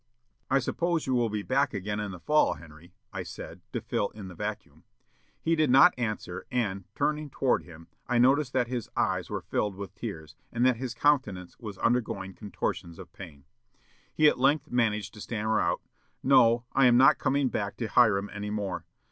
"'I suppose you will be back again in the fall, Henry,' I said, to fill in the vacuum. He did not answer, and, turning toward him, I noticed that his eyes were filled with tears, and that his countenance was undergoing contortions of pain. He at length managed to stammer out, 'No, I am not coming back to Hiram any more.